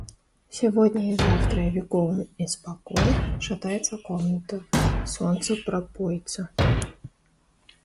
Сегодня и завтра и веков испокон шатается комната — солнца пропойца.